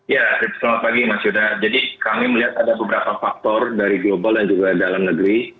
ya selamat pagi mas yuda jadi kami melihat ada beberapa faktor dari global dan juga dalam negeri